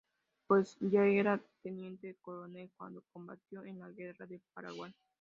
Py ya era teniente coronel cuando combatió en la Guerra del Paraguay.